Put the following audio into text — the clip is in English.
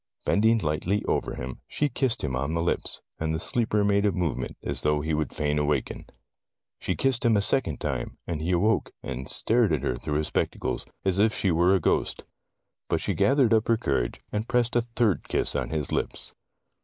Bending lightly over him, she kissed him on the lips, and the sleeper made a move ment, as though he would fain awaken. She kissed him the second time, and he awoke and stared at her through his spec tacles, as if she were a ghost. But she gathered up her courage, and pressed a third kiss on his lips.